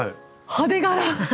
派手柄。